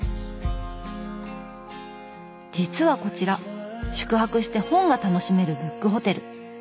実はこちら宿泊して本が楽しめるブックホテル。